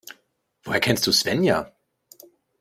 Woher kennst du Svenja?